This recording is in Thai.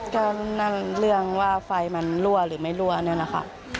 ก็นั่นเรื่องว่าไฟมันรั่วหรือไม่รั่วเนี่ยนะคะ